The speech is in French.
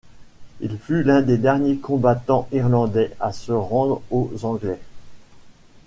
Il fut l'un des derniers commandants irlandais à se rendre aux Anglais.